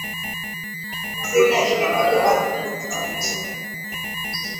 uzela imepigwa marufuku katika mashindano hayo